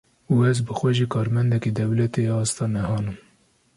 Û ez bi xwe jî karmendekî dewletê yê asta nehan im.